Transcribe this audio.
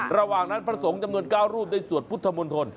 ระหว่างนั้นพระสงฆ์จำนวน๙รูปได้สวดพุทธมนตร